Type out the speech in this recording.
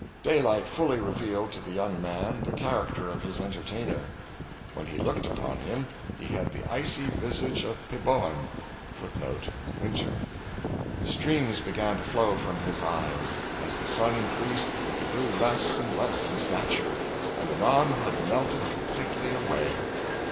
Daylight fully revealed to the young man the character of his entertainer. When he looked upon him, he had the icy visage of Peboan.{footnote [Winter.]} Streams began to flow from his eyes. As the sun increased, he grew less and less in stature, and anon had melted completely away.